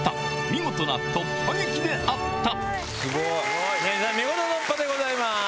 見事突破でございます。